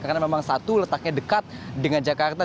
karena memang satu letaknya dekat dengan jakarta